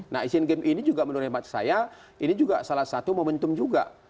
nah asian games ini juga menurut hemat saya ini juga salah satu momentum juga